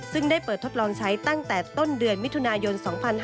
ซึ่งได้เปิดทดลองใช้ตั้งแต่ต้นเดือนมิถุนายน๒๕๕๙